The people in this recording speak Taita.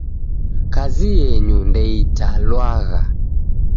Kazi yenyu ndeitalwagha